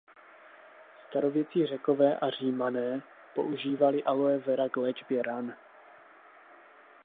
Starověcí Řekové a Římané používali Aloe vera k léčbě ran.